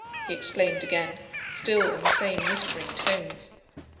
he exclaimed again, still in the same whispering tones.